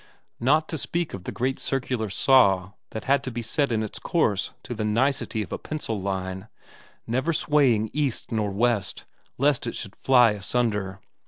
Not to speak of the great circular saw that had to be set in its course to the nicety of a pencil line, never swaying east nor west, lest it should fly asunder.